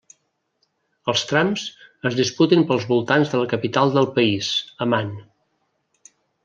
Els trams es disputen pels voltants de la capital del país, Amman.